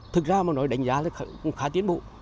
thực ra mà nói đánh giá là cũng khá tiến bộ